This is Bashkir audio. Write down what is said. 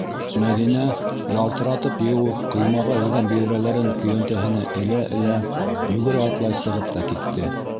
Мәҙинә, ялтыратып йыуып ҡоймаға элгән биҙрәләрен көйәнтәһенә элә-элә йүгерә-атлай сығып та китте.